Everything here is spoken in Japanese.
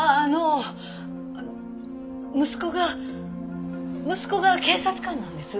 あの息子が息子が警察官なんです。